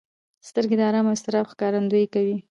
سترګې د ارام او اضطراب ښکارندويي کوي